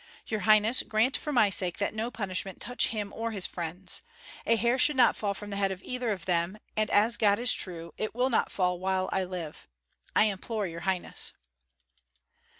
Your highness, grant for my sake that no punishment touch him or his friends. A hair should not fall from the head of either of them, and as God is true, it will not fall while I live. I implore your highness."